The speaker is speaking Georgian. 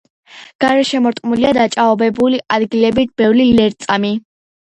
გარშემორტყმულია დაჭაობებული ადგილებით, ბევრია ლერწამი.